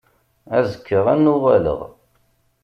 Azekka ad n-uɣaleɣ.